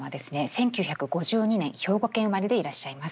１９５２年兵庫県生まれでいらっしゃいます。